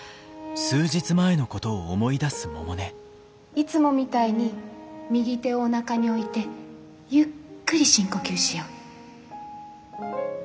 いつもみたいに右手をおなかに置いてゆっくり深呼吸しよ。